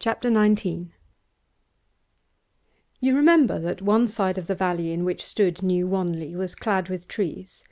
CHAPTER XIX You remember that one side of the valley in which stood New Wanley was clad with trees.